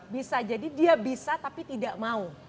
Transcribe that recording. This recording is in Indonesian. bisa jadi dia bisa tapi tidak mau